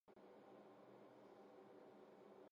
薄膜的拉伸导致样品分子和拉伸方向取向一致。